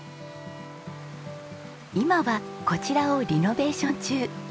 今はこちらをリノベーション中。